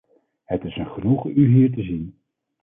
Het is een genoegen u hier te zien.